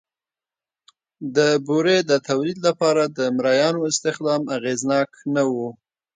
د بورې د تولید لپاره د مریانو استخدام اغېزناک نه و